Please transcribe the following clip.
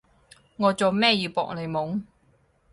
我做咩要搏你懵？